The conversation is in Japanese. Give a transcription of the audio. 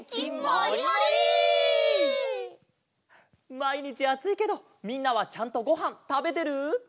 まいにちあついけどみんなはちゃんとごはんたべてる？